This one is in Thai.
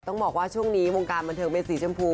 ต้องบอกว่าช่วงนี้วงการบันเทิงเป็นสีชมพู